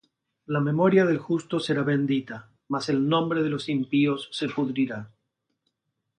La memoria del justo será bendita: Mas el nombre de los impíos se pudrirá.